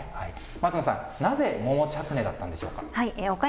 松野さん、なぜ桃チャツネだったんでしょうか。